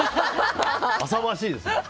浅ましいですね。